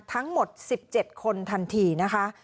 ทั้งหมด๑๗คนทันทีนะคะ